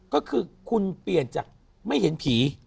ก็คือคุณเปลี่ยนจากไม่เห็นผี